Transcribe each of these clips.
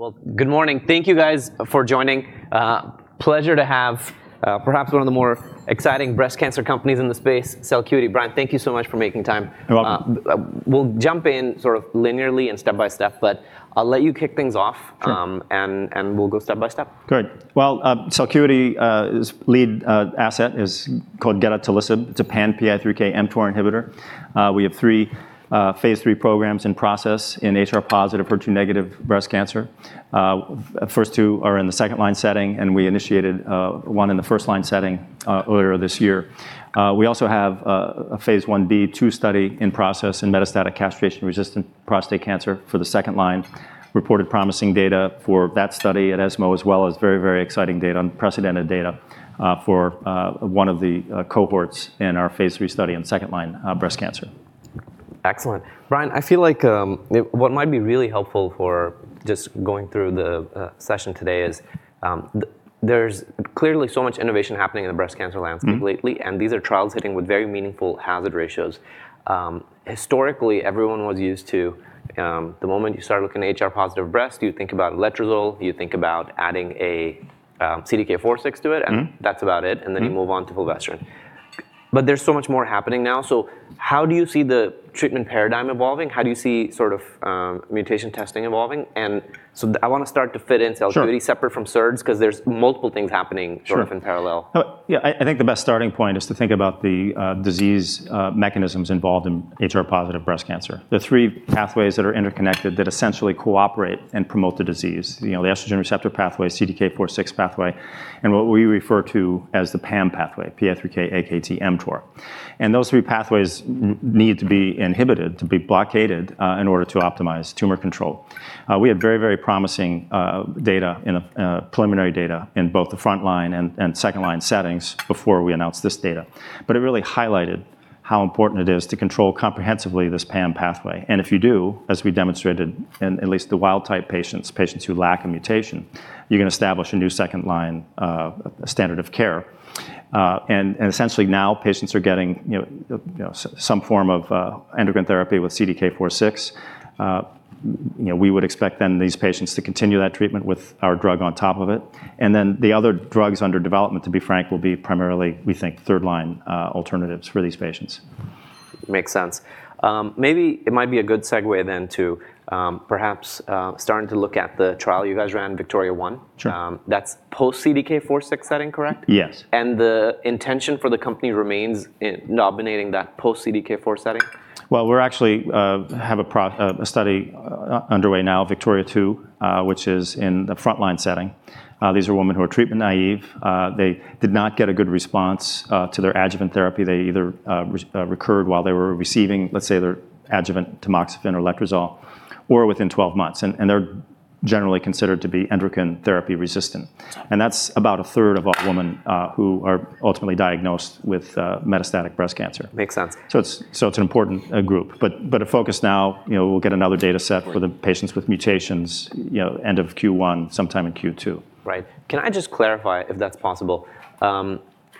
Well, good morning. Thank you, guys, for joining. Pleasure to have perhaps one of the more exciting breast cancer companies in the space, Celcuity. Brian, thank you so much for making time. You're welcome. We'll jump in sort of linearly and step by step, but I'll let you kick things off, and we'll go step by step. Great. Well, Celcuity's lead asset is called gedatolisib. It's a pan-PI3K/mTOR inhibitor. We have three phase III programs in process in HR-positive, HER2-negative breast cancer. The first two are in the second-line setting, and we initiated one in the first-line setting earlier this year. We also have a phase 1b/2 study in process in metastatic castration-resistant prostate cancer for the second line, reported promising data for that study at ESMO, as well as very, very exciting data, unprecedented data for one of the cohorts in our phase III study in second-line breast cancer. Excellent. Brian, I feel like what might be really helpful for just going through the session today is there's clearly so much innovation happening in the breast cancer landscape lately, and these are trials hitting with very meaningful hazard ratios. Historically, everyone was used to the moment you started looking at HR-positive breast, you'd think about letrozole, you'd think about adding a CDK4/6 to it, and that's about it, and then you move on to fulvestrant. But there's so much more happening now. So how do you see the treatment paradigm evolving? How do you see sort of mutation testing evolving? And so I want to start to fit in Celcuity separate from SERDs because there's multiple things happening sort of in parallel. Yeah, I think the best starting point is to think about the disease mechanisms involved in HR-positive breast cancer, the three pathways that are interconnected that essentially cooperate and promote the disease, the estrogen receptor pathway, CDK4/6 pathway, and what we refer to as the PAM pathway, PI3K/AKT/mTOR. And those three pathways need to be inhibited, to be blockaded in order to optimize tumor control. We had very, very promising data in the preliminary data in both the front-line and second-line settings before we announced this data, but it really highlighted how important it is to control comprehensively this PAM pathway. And if you do, as we demonstrated in at least the wild-type patients, patients who lack a mutation, you can establish a new second-line standard of care. And essentially now patients are getting some form of endocrine therapy with CDK4/6. We would expect then these patients to continue that treatment with our drug on top of it, and then the other drugs under development, to be frank, will be primarily, we think, third-line alternatives for these patients. Makes sense. Maybe it might be a good segue then to perhaps starting to look at the trial you guys ran, Victoria I. Sure. That's post-CDK4/6 setting, correct? Yes. The intention for the company remains in nominating that post-CDK4 setting? We actually have a study underway now, Victoria II, which is in the front-line setting. These are women who are treatment naive. They did not get a good response to their adjuvant therapy. They either recurred while they were receiving, let's say, their adjuvant tamoxifen or letrozole or within 12 months, and they're generally considered to be endocrine therapy resistant. That's about a third of all women who are ultimately diagnosed with metastatic breast cancer. Makes sense. So it's an important group, but a focus now. We'll get another data set for the patients with mutations, end of Q1, sometime in Q2. Right. Can I just clarify, if that's possible,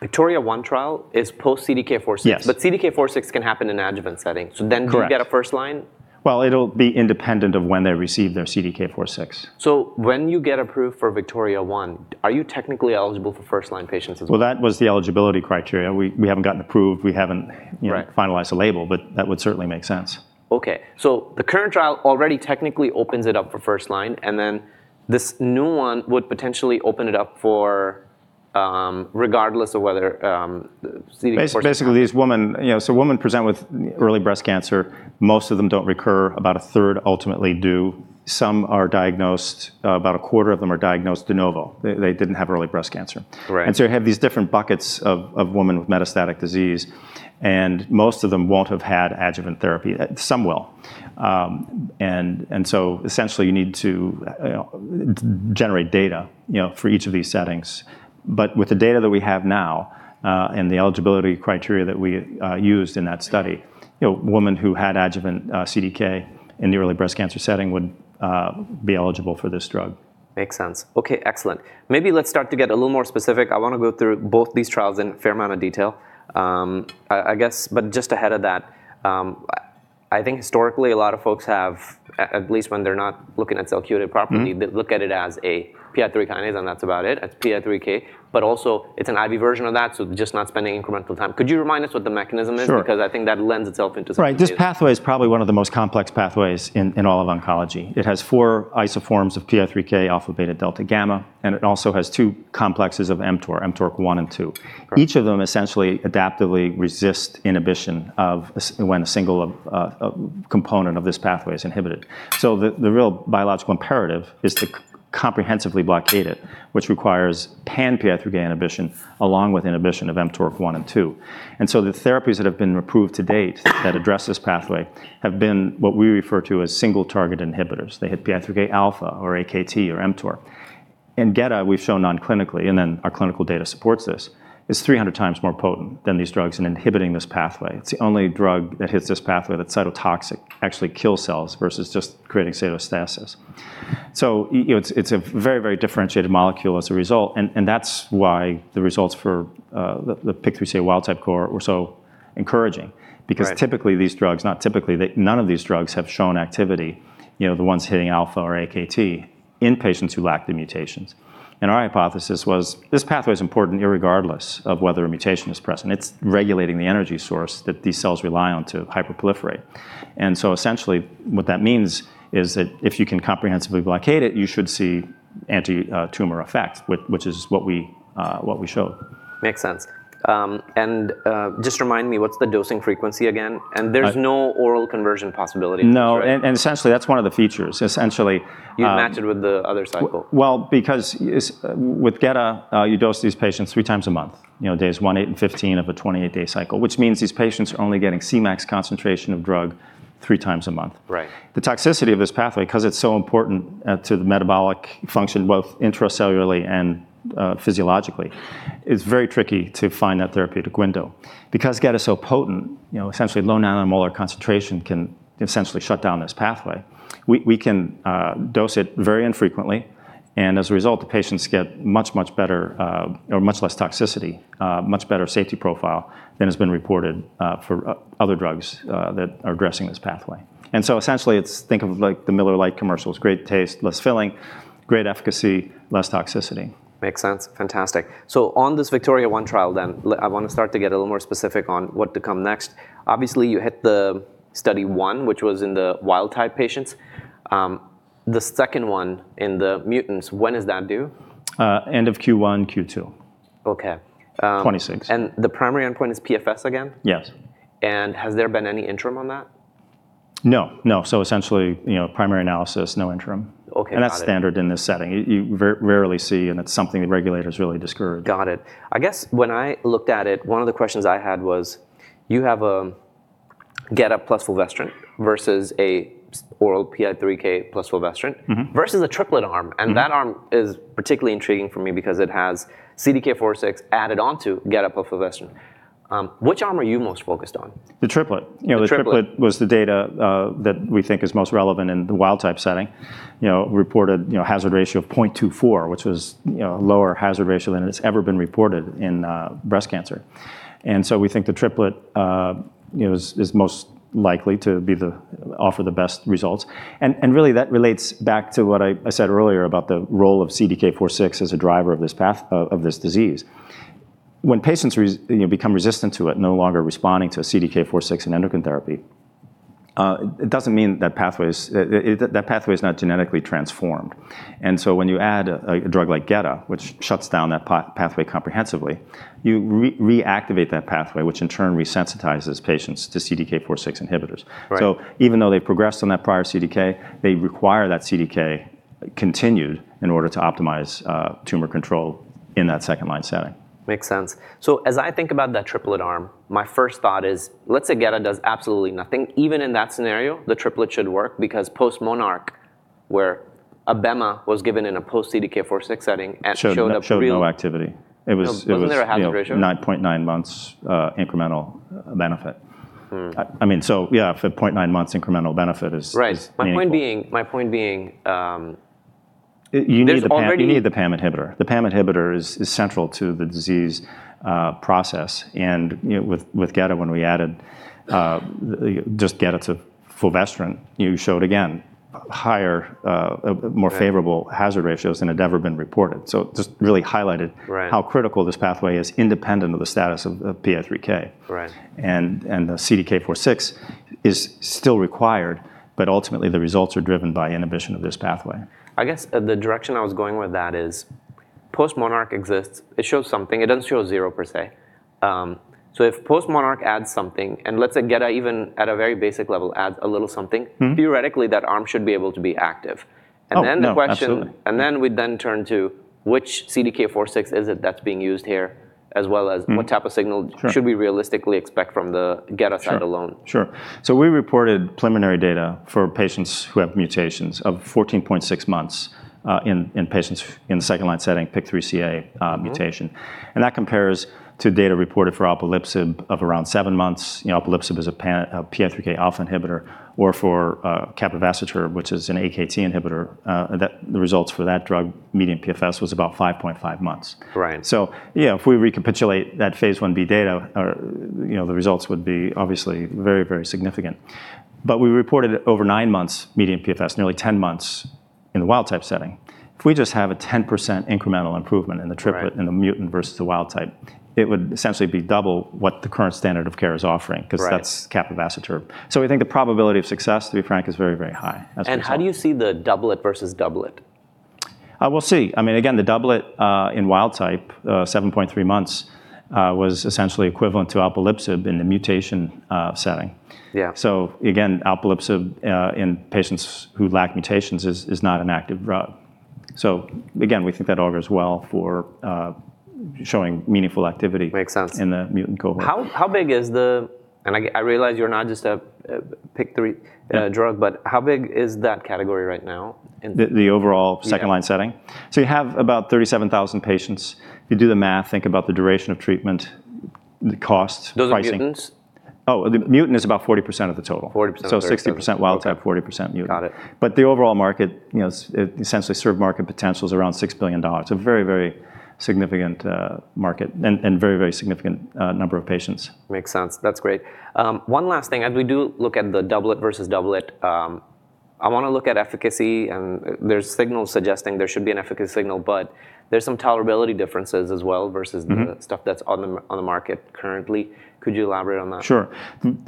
Victoria I trial is post-CDK4/6, but CDK4/6 can happen in an adjuvant setting. So then do you get a first line? It'll be independent of when they receive their CDK4/6. So when you get approved for Victoria I, are you technically eligible for first-line patients as well? That was the eligibility criteria. We haven't gotten approved. We haven't finalized a label, but that would certainly make sense. Okay. So the current trial already technically opens it up for first line, and then this new one would potentially open it up for regardless of whether CDK4/6. Basically, these women, so women present with early breast cancer, most of them don't recur. About a third ultimately do. Some are diagnosed, about a quarter of them are diagnosed de novo. They didn't have early breast cancer, and so you have these different buckets of women with metastatic disease, and most of them won't have had adjuvant therapy. Some will, and so essentially you need to generate data for each of these settings, but with the data that we have now and the eligibility criteria that we used in that study, women who had adjuvant CDK in the early breast cancer setting would be eligible for this drug. Makes sense. Okay, excellent. Maybe let's start to get a little more specific. I want to go through both these trials in a fair amount of detail, I guess, but just ahead of that, I think historically a lot of folks have, at least when they're not looking at Celcuity properly, they look at it as a PI3K kinase, and that's about it. It's PI3K, but also it's an IV version of that, so just not spending incremental time. Could you remind us what the mechanism is? Because I think that lends itself into something. Right. This pathway is probably one of the most complex pathways in all of oncology. It has four isoforms of PI3K, alpha beta delta gamma, and it also has two complexes of mTOR, mTORC1 and mTORC2. Each of them essentially adaptively resists inhibition when a single component of this pathway is inhibited. So the real biological imperative is to comprehensively blockade it, which requires pan-PI3K inhibition along with inhibition of mTORC1 and mTORC2, and so the therapies that have been approved to date that address this pathway have been what we refer to as single-target inhibitors. They hit PI3K alpha or AKT or mTOR. In Geta, we've shown non-clinically, and then our clinical data supports this, it's 300x more potent than these drugs in inhibiting this pathway. It's the only drug that hits this pathway that's cytotoxic, actually kills cells versus just creating cytostasis. It's a very, very differentiated molecule as a result, and that's why the results for the PI3K wild-type cohort were so encouraging, because typically these drugs, not typically, none of these drugs have shown activity, the ones hitting alpha or AKT in patients who lack the mutations. Our hypothesis was this pathway is important regardless of whether a mutation is present. It's regulating the energy source that these cells rely on to hyperproliferate. Essentially what that means is that if you can comprehensively blockade it, you should see anti-tumor effect, which is what we showed. Makes sense. And just remind me, what's the dosing frequency again? And there's no oral conversion possibility. No. And essentially, that's one of the features. You match it with the other cycle. Because with Geta, you dose these patients three times a month, days 1, 8, and 15 of a 28-day cycle, which means these patients are only getting Cmax concentration of drug three times a month. Right. The toxicity of this pathway, because it's so important to the metabolic function, both intracellularly and physiologically, it's very tricky to find that therapeutic window. Because Geta is so potent, essentially low nanomolar concentration can essentially shut down this pathway. We can dose it very infrequently, and as a result, the patients get much, much better or much less toxicity, much better safety profile than has been reported for other drugs that are addressing this pathway. And so essentially it's think of like the Miller Lite commercials, great taste, less filling, great efficacy, less toxicity. Makes sense. Fantastic. So on this Victoria I trial then, I want to start to get a little more specific on what to come next. Obviously, you hit the study I, which was in the wild-type patients. The second one in the mutants, when is that due? End of Q1, Q2. Okay. 2026. And the primary endpoint is PFS again? Yes. Has there been any interim on that? No. No. So essentially primary analysis, no interim. Okay. That's standard in this setting. You rarely see, and it's something the regulators really discourage. Got it. I guess when I looked at it, one of the questions I had was you have a Geta plus fulvestrant versus an oral PI3K plus fulvestrant versus a triplet arm, and that arm is particularly intriguing for me because it has CDK4/6 added onto Geta plus fulvestrant. Which arm are you most focused on? The triplet. The triplet was the data that we think is most relevant in the wild-type setting, reported hazard ratio of 0.24, which was a lower hazard ratio than it's ever been reported in breast cancer. And so we think the triplet is most likely to offer the best results. And really that relates back to what I said earlier about the role of CDK4/6 as a driver of this disease. When patients become resistant to it, no longer responding to CDK4/6 and endocrine therapy, it doesn't mean that pathway is not genetically transformed. And so when you add a drug like Geta, which shuts down that pathway comprehensively, you reactivate that pathway, which in turn resensitizes patients to CDK4/6 inhibitors. So even though they've progressed on that prior CDK, they require that CDK continued in order to optimize tumor control in that second-line setting. Makes sense. So as I think about that triplet arm, my first thought is let's say Geta does absolutely nothing. Even in that scenario, the triplet should work because post-Monarch, where Abemma was given in a post-CDK4/6 setting and showed up. Showed no activity. It was. It was never a hazard ratio. 9.9 months incremental benefit. I mean, so yeah, 0.9 months incremental benefit is. Right. My point being. You need the PAM inhibitor. The PAM inhibitor is central to the disease process. And with Geta, when we added just Geta to fulvestrant, you showed again higher, more favorable hazard ratios than had ever been reported. So just really highlighted how critical this pathway is independent of the status of PI3K. And the CDK4/6 is still required, but ultimately the results are driven by inhibition of this pathway. I guess the direction I was going with that is PostMONARCH exists. It shows something. It doesn't show zero per se. So if PostMONARCH adds something, and let's say Geta even at a very basic level adds a little something, theoretically that arm should be able to be active. And then the question. Absolutely. And then we turn to which CDK4/6 is it that's being used here, as well as what type of signal should we realistically expect from the Geta side alone? Sure. So we reported preliminary data for patients who have mutations of 14.6 months in patients in the second-line setting PIK3CA mutation. And that compares to data reported for alpelisib of around seven months. Alpelisib is a PI3K alpha inhibitor, or for capivasertib, which is an AKT inhibitor, the results for that drug median PFS was about 5.5 months. Right. So yeah, if we recapitulate that phase 1b data, the results would be obviously very, very significant. But we reported over nine months median PFS, nearly 10 months in the wild-type setting. If we just have a 10% incremental improvement in the triplet, in the mutant versus the wild-type, it would essentially be double what the current standard of care is offering because that's capivasertib. So I think the probability of success, to be frank, is very, very high. How do you see the doublet versus doublet? We'll see. I mean, again, the doublet in wild-type, 7.3 months, was essentially equivalent to alpelisib in the mutation setting. Yeah. So again, alpelisib in patients who lack mutations is not an active drug. So again, we think that augurs well for showing meaningful activity. Makes sense. In the mutant cohort. How big is the, and I realize you're not just a PI3 drug, but how big is that category right now? The overall second-line setting? Yeah. So you have about 37,000 patients. If you do the math, think about the duration of treatment, the cost. Those are mutants? Oh, the mutant is about 40% of the total. 40%. So 60% wild-type, 40% mutant. Got it. But the overall market, essentially served market potential is around $6 billion. It's a very, very significant market and very, very significant number of patients. Makes sense. That's great. One last thing, as we do look at the doublet versus doublet, I want to look at efficacy, and there's signals suggesting there should be an efficacy signal, but there's some tolerability differences as well versus the stuff that's on the market currently. Could you elaborate on that? Sure.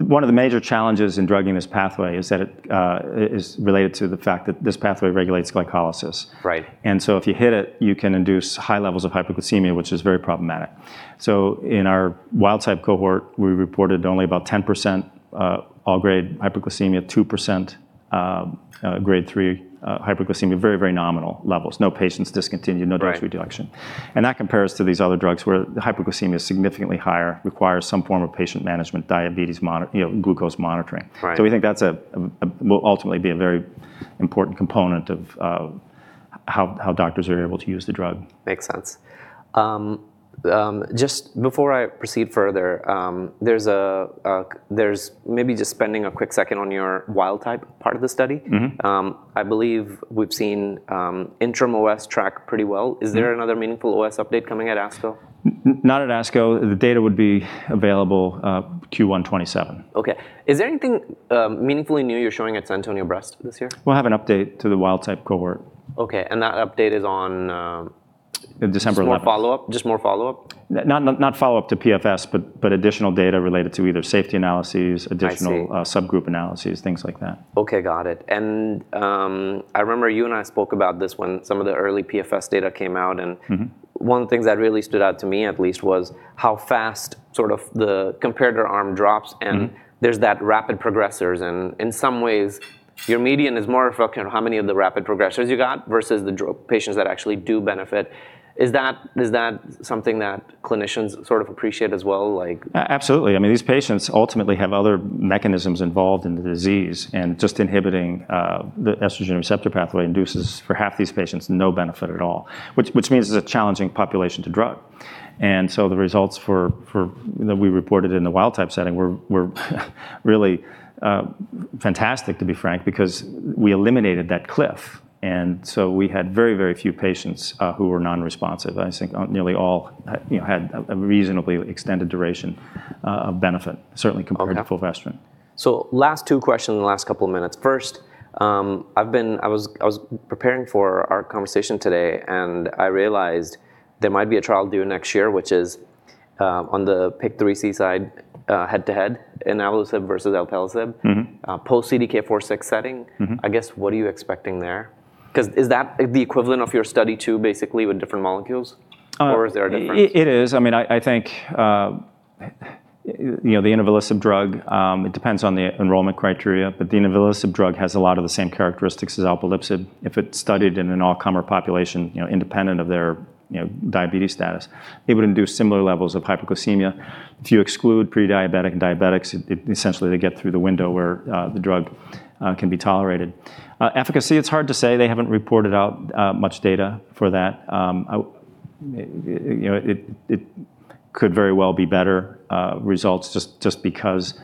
One of the major challenges in drugging this pathway is that it is related to the fact that this pathway regulates glycolysis. Right. And so if you hit it, you can induce high levels of hyperglycemia, which is very problematic. So in our wild-type cohort, we reported only about 10% all-grade hyperglycemia, 2% grade three hyperglycemia, very, very nominal levels. No patients discontinued, no dose reduction. And that compares to these other drugs where the hyperglycemia is significantly higher, requires some form of patient management, diabetes glucose monitoring. So we think that will ultimately be a very important component of how doctors are able to use the drug. Makes sense. Just before I proceed further, there's maybe just spending a quick second on your wild-type part of the study. I believe we've seen interim OS track pretty well. Is there another meaningful OS update coming at ASCO? Not at ASCO. The data would be available Q1 2027. Okay. Is there anything meaningfully new you're showing at San Antonio Breast this year? We'll have an update to the wild-type cohort. Okay. That update is on. December 11th. Just more follow-up? Not follow-up to PFS, but additional data related to either safety analyses, additional subgroup analyses, things like that. Okay. Got it, and I remember you and I spoke about this when some of the early PFS data came out, and one of the things that really stood out to me at least was how fast sort of the comparator arm drops and there's that rapid progressors, and in some ways, your median is more of how many of the rapid progressors you got versus the patients that actually do benefit. Is that something that clinicians sort of appreciate as well? Absolutely. I mean, these patients ultimately have other mechanisms involved in the disease, and just inhibiting the estrogen receptor pathway induces for half these patients no benefit at all, which means it's a challenging population to drug. And so the results that we reported in the wild-type setting were really fantastic, to be frank, because we eliminated that cliff. And so we had very, very few patients who were non-responsive. I think nearly all had a reasonably extended duration of benefit, certainly compared to fulvestrant. So, last two questions in the last couple of minutes. First, I was preparing for our conversation today, and I realized there might be a trial due next year, which is on the PI3K side head-to-head, inavolisib versus alpelisib, post-CDK4/6 setting. I guess what are you expecting there? Because is that the equivalent of your study too, basically with different molecules? Or is there a difference? It is. I mean, I think the inavolisib drug, it depends on the enrollment criteria, but the inavolisib drug has a lot of the same characteristics as alpelisib. If it's studied in an all-comer population, independent of their diabetes status, it would induce similar levels of hyperglycemia. If you exclude prediabetic and diabetics, essentially they get through the window where the drug can be tolerated. Efficacy, it's hard to say. They haven't reported out much data for that. It could very well be better results just because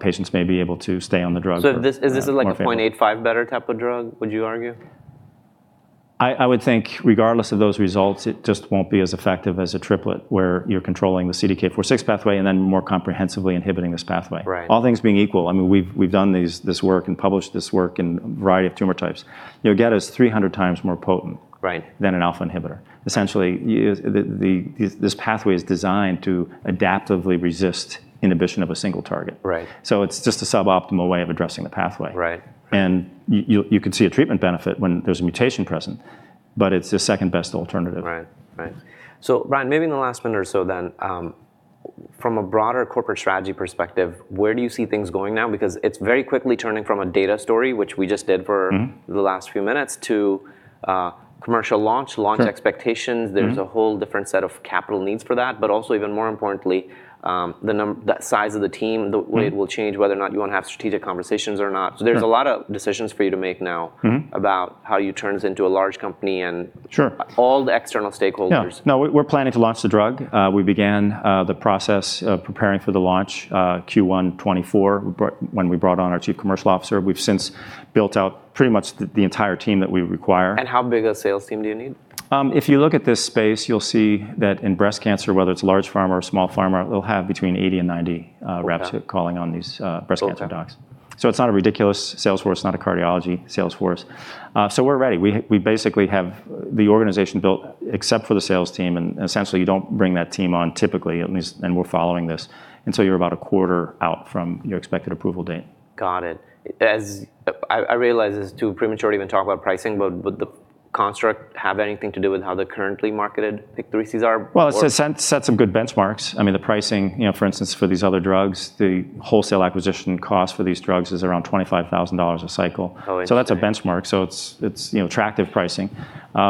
patients may be able to stay on the drug. So is this like a 0.85 better type of drug, would you argue? I would think regardless of those results, it just won't be as effective as a triplet where you're controlling the CDK4/6 pathway and then more comprehensively inhibiting this pathway. Right. All things being equal, I mean, we've done this work and published this work in a variety of tumor types. Geta is 300x more potent than an alpha inhibitor. Essentially, this pathway is designed to adaptively resist inhibition of a single target. Right. So it's just a suboptimal way of addressing the pathway. Right. You could see a treatment benefit when there's a mutation present, but it's the second best alternative. Right. Right. So Brian, maybe in the last minute or so then, from a broader corporate strategy perspective, where do you see things going now? Because it's very quickly turning from a data story, which we just did for the last few minutes, to commercial launch, launch expectations. There's a whole different set of capital needs for that, but also even more importantly, the size of the team, the way it will change, whether or not you want to have strategic conversations or not. So there's a lot of decisions for you to make now about how you turn this into a large company and all the external stakeholders. Yeah. No, we're planning to launch the drug. We began the process of preparing for the launch Q1 2024 when we brought on our chief commercial officer. We've since built out pretty much the entire team that we require. How big a sales team do you need? If you look at this space, you'll see that in breast cancer, whether it's a large pharma or a small pharma, they'll have between 80 and 90 reps calling on these breast cancer docs. So it's not a ridiculous sales force. It's not a cardiology sales force. So we're ready. We basically have the organization built except for the sales team, and essentially you don't bring that team on typically, at least, and we're following this, and so you're about a quarter out from your expected approval date. Got it. I realize it's too premature to even talk about pricing, but would the construct have anything to do with how the currently marketed PI3Ks are? It sets some good benchmarks. I mean, the pricing, for instance, for these other drugs, the wholesale acquisition cost for these drugs is around $25,000 a cycle. So that's a benchmark. So it's attractive pricing. We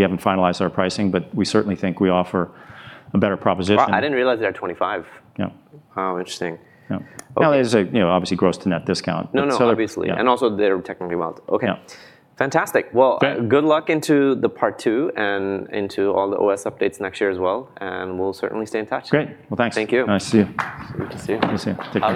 haven't finalized our pricing, but we certainly think we offer a better proposition. I didn't realize they had 25. Yeah. Oh, interesting. Yeah. No, there's obviously gross to net discount. No, no, obviously. And also they're technically wild-type. Okay. Fantastic. Well, good luck into the part two and into all the OS updates next year as well. And we'll certainly stay in touch. Great. Well, thanks. Thank you. Nice to see you. Nice to see you. You too. Take care.